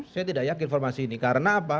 saya tidak yakin informasi ini karena apa